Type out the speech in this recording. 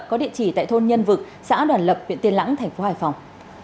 có địa chỉ tại thôn nhân vực xã đoàn lập huyện tiên lãng thành phố hải phòng